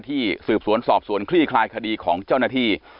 สืบสวนสอบสวนคลี่คลายคดีของเจ้าหน้าที่